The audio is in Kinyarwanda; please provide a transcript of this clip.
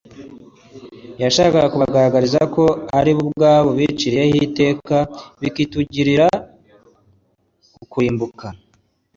yashakaga kubagaragariza ko ari bo ubwabo biciriye ho iteka bakitugurira ukurimbuka.